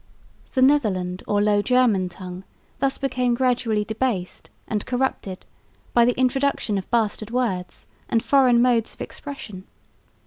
The Netherland or Low German tongue thus became gradually debased and corrupted by the introduction of bastard words and foreign modes of expression.